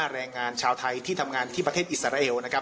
แรงงานชาวไทยที่ทำงานที่ประเทศอิสราเอลนะครับ